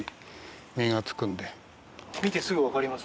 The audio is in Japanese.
見てすぐ分かります？